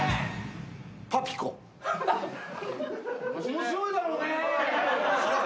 面白いだろうが！